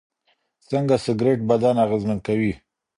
څنګه سګریټ بدن اغېزمن کوي؟